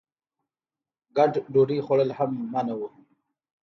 ګډ ډوډۍ خوړل هم منع وو.